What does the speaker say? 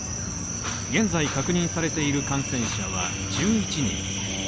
現在確認されている感染者は１１人。